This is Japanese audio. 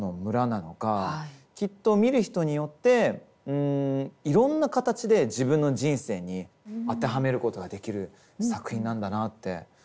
きっと見る人によっていろんな形で自分の人生に当てはめることができる作品なんだなって思いましたね。